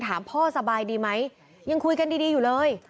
ถามพ่อสบายดีไหมยังคุยกันดีอยู่เลย